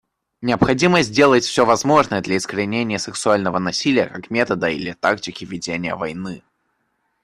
Необходимо сделать все возможное для искоренения сексуального насилия как метода или тактики ведения войны.